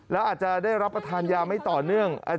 แล้วอาจจะได้รับประทานยาไม่ต่อเนื่อง